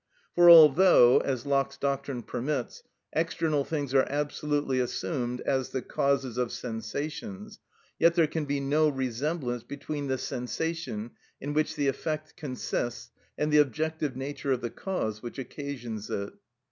For although, as Locke's doctrine permits, external things are absolutely assumed as the causes of sensations, yet there can be no resemblance between the sensation in which the effect consists and the objective nature of the cause which occasions it.